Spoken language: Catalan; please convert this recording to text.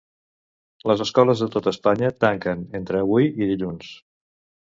Les escoles de tota Espanya tanquen entre avui i dilluns.